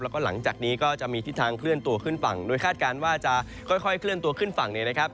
แล้วก็หลังจากนี้ก็จะมีทิศทางเคลื่อนตัวขึ้นฝั่งโดยคาดการณ์ว่าจะค่อยเคลื่อนตัวขึ้นฝั่งเนี่ยนะครับ